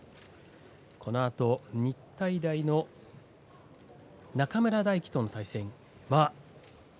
このあと日体大の中村泰輝との対戦です。